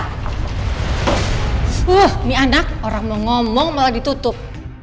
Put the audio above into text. wah mie anak orang mau ngomong malah ditutup